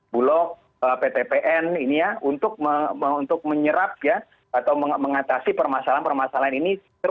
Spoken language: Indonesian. bulog ptpn ini ya untuk menyerap ya atau mengatasi permasalahan permasalahan ini